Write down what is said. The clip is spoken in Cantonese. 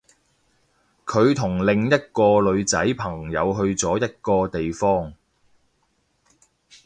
佢同另一個女仔朋友去咗一個地方